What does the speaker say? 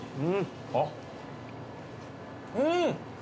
うん！